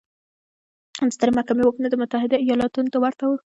د سترې محکمې واکونه د متحده ایالتونو ته ورته وو.